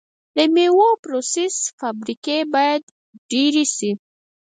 د میوو پروسس فابریکې باید ډیرې شي.